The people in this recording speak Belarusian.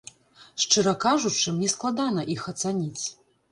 Шчыра кажучы, мне складана іх ацаніць.